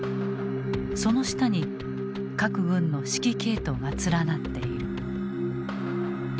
その下に各軍の指揮系統が連なっている。